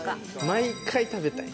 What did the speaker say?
毎回食べたい。